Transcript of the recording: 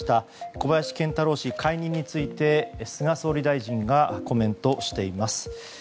小林賢太郎氏解任について菅総理大臣がコメントしています。